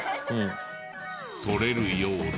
取れるようだ。